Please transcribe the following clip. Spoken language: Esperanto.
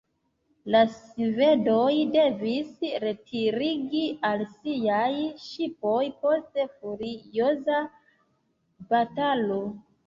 La svedoj devis retiriĝi al siaj ŝipoj post furioza batalo.